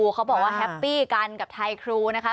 ว่าแฮปี้กันกับไทยครู